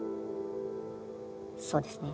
そうですね。